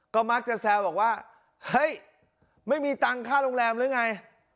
ก็มักจะแซวบอกว่าเฮ้ยไม่มีตังค์ค่าโรงแรมหรือไง